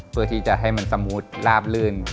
เพื่อที่จะให้มันสมูทราบลื่น